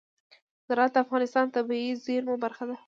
زراعت د افغانستان د طبیعي زیرمو برخه ده.